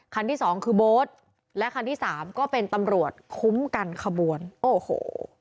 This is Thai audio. ที่สองคือโบ๊ทและคันที่สามก็เป็นตำรวจคุ้มกันขบวนโอ้โห